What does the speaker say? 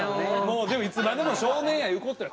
でもいつまでも少年やいうことや。